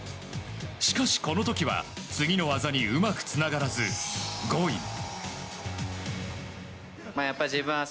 しかし、この時は、次の技にうまくつながらず５位。